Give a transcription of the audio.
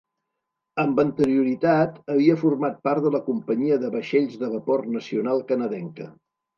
Amb anterioritat havia format part de la Companyia de Vaixells de Vapor Nacional Canadenca.